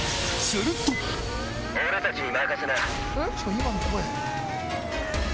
今の声！